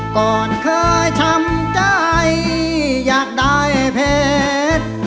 ก่อนเคยช้ำใจอยากได้เพชร